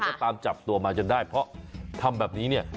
ก็ตามจับตัวมาจนได้เพราะทำแบบนี้เนี่ย